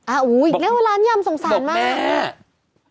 โอ้โหอีกเรียกว่าร้านยำสงสารมาก